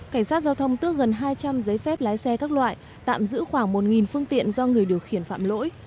cảnh sát giao thông tước gần hai trăm linh giấy phép lái xe các loại tạm giữ khoảng một phương tiện do người điều khiển phạm lỗi